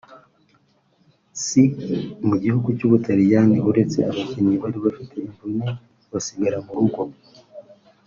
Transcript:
C mu gihugucy’ubutaliyani uretse abakinnyi bari bafite imvune bagasigara mu rugo